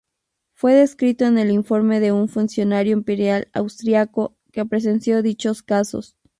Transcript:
Fue descrito en el informe de un funcionario imperial austríaco, que presenció dichos casos.